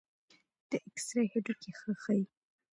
د ایکسرې هډوکي ښه ښيي.